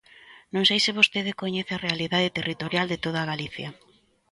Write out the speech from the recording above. Non sei se vostede coñece a realidade territorial de toda Galicia.